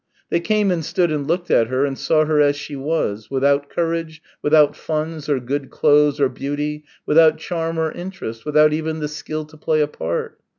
They came and stood and looked at her, and saw her as she was, without courage, without funds or good clothes or beauty, without charm or interest, without even the skill to play a part.